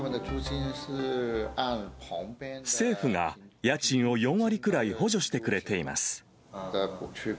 政府が家賃を４割くらい補助してくれています。